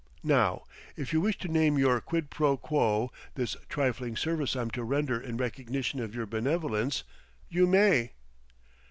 Now if you wish to name your quid pro quo, this trifling service I'm to render in recognition of your benevolence, you may."